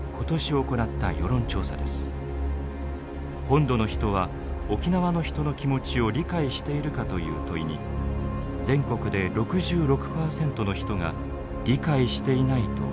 本土の人は沖縄の人の気持ちを理解しているかという問いに全国で６６％の人が理解していないと回答しました。